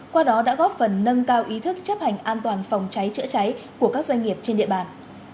qua đó đã góp phần nâng cao ý thức chấp hành an toàn phòng cháy chữa cháy của các doanh nghiệp trên địa bàn